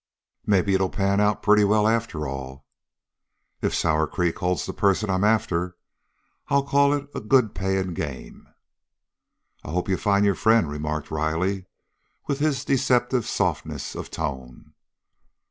"Maybe it'll pan out pretty well after all." "If Sour Creek holds the person I'm after, I'll call it a good paying game." "I hope you find your friend," remarked Riley, with his deceptive softness of tone.